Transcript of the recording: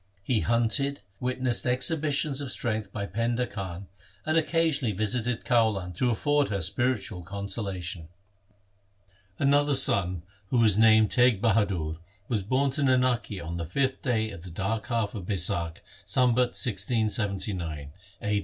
He hunted, witnessed exhibitions of strength by Painda Khan, and occasionally visited Kaulan to afford her spiritual consolation. Another son, who was named Teg Bahadur, was born to Nanaki on the fifth day of the dark half of Baisakh, Sambat 1679 (a.